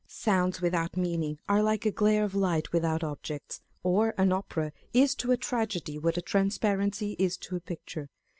Sounds without meaning are like a glare of light without objects ; or, an Opera is to a Tragedy what a transparency is to a picture.